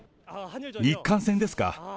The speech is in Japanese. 日韓戦ですか？